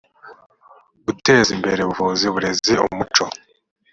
guteza imbere ubuvuzi uburezi umuco